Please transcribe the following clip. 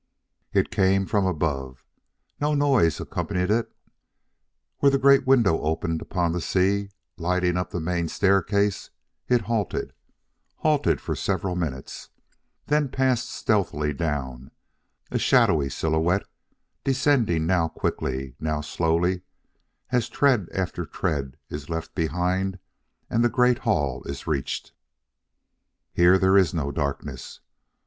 It came from above; no noise accompanied it. Where the great window opened upon the sea, lighting up the main staircase, it halted, halted for several minutes; then passed stealthily down, a shadowy silhouette, descending now quickly, now slowly, as tread after tread is left behind and the great hall is reached. Here there is no darkness.